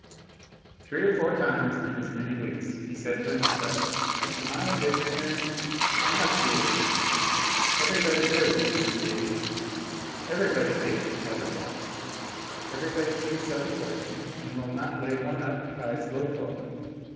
Three or four times in as many weeks he said to himself, "Am I a visionary? I must be a visionary; everybody is in these days; everybody chases butterflies: everybody seeks sudden fortune and will not lay one up by slow toil.